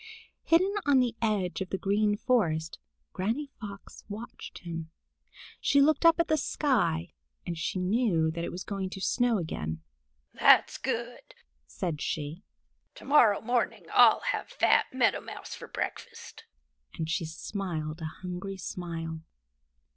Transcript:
Hidden on the edge of the Green Forest, Granny Fox watched him. She looked up at the sky, and she knew that it was going to snow again. "That's good," said she. "To morrow morning I'll have fat Meadow Mouse for breakfast," and she smiled a hungry smile.